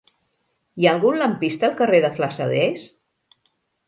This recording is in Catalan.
Hi ha algun lampista al carrer de Flassaders?